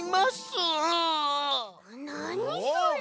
なにそれ！